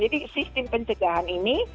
jadi sistem pencegahan ini